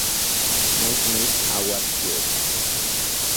Naismith Awards Web